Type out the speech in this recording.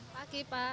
selamat pagi pak